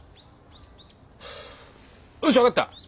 よし分かった。